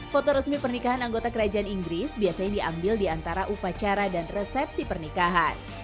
foto resmi pernikahan anggota kerajaan inggris biasanya diambil di antara upacara dan resepsi pernikahan